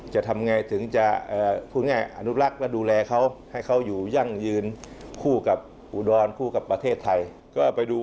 จะทำไงถึงจะคิดจะอนุลักษณ์ดูแลเขาให้อยู่อย่างยืนคู่กับอุดรผู้กับประเทศไทย